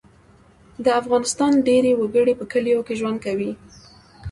د افغانستان ډیری وګړي په کلیو کې ژوند کوي